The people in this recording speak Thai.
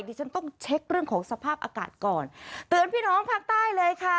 ดิฉันต้องเช็คเรื่องของสภาพอากาศก่อนเตือนพี่น้องภาคใต้เลยค่ะ